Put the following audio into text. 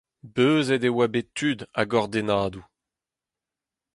Beuzet e oa bet tud a-gordennadoù.